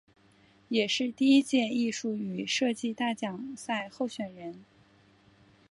也是第一届艺术与设计大奖赛候选人。